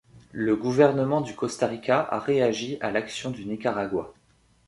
Le gouvernement du Costa Rica a réagi à l'action du Nicaragua.